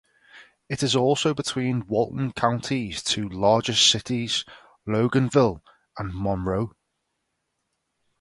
It is also between Walton County's two largest cities, Loganville and Monroe.